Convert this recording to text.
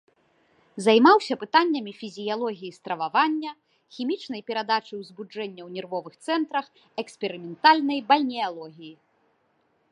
Займаўся пытаннямі фізіялогіі стрававання, хімічнай перадачы ўзбуджэння ў нервовых цэнтрах, эксперыментальнай бальнеалогіі.